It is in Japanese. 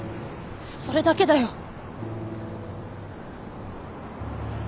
それだけだよ。